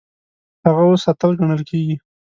هغه اوس اتل ګڼل کیږي.